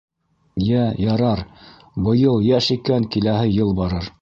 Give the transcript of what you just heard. - Йә, ярар, быйыл йәш икән, киләһе йыл барыр.